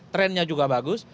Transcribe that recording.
trendnya juga bagus